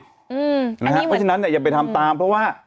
เพราะฉะนั้นอย่าไปทำตามเพราะว่า